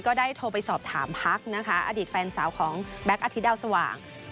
ก็ได้โทรไปสอบถามพักนะคะอดีตแฟนสาวของแบ็คอธิดาวสว่าง